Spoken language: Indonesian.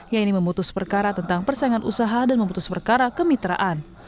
yaitu memutus perkara tentang persaingan usaha dan memutus perkara kemitraan